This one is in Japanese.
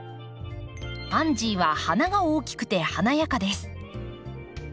パンジーは花が大きくて華やかです。